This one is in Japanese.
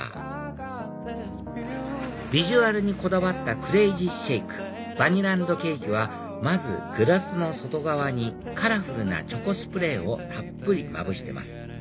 ビジュアルにこだわったクレイジーシェイクバニラ＆ケーキはまずグラスの外側にカラフルなチョコスプレーをたっぷりまぶしてます